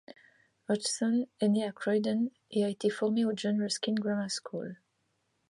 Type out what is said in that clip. Hodgson est né à Croydon et a été formé au John Ruskin Grammar School.